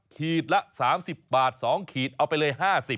ขีดละ๓๐บาท๒ขีดเอาไปเลย๕๐บาท